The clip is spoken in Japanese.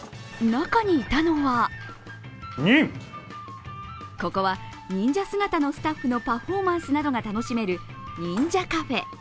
中にいたのはここは忍者姿のスタッフのパフォーマンスが楽しめる忍者カフェ。